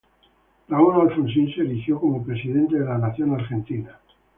Raúl Alfonsín se erigió como presidente de la Nación Argentina.